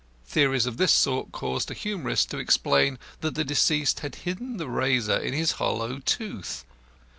Theories of this sort caused a humorist to explain that the deceased had hidden the razor in his hollow tooth!